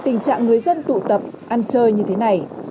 tình trạng người dân tụ tập ăn chơi như thế này